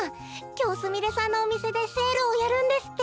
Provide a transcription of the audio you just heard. きょうすみれさんのおみせでセールをやるんですって。